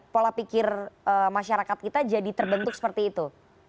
pola pikir masyarakat kita jadi terbentuk seperti itu